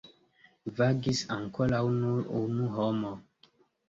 Vagis ankoraŭ nur unu homo.